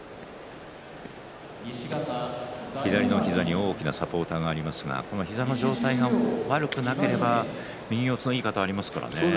左の膝に大きなサポーターがありますが、この膝の状態が悪くなければ右四つのいい形がありますからね。